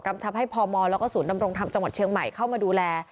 ชับให้พมแล้วก็ศูนย์ดำรงธรรมจังหวัดเชียงใหม่เข้ามาดูแล